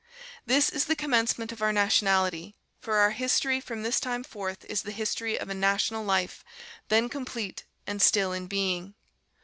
This is the commencement of our nationality: for our history from this time forth is the history of a national life, then complete, and still in being.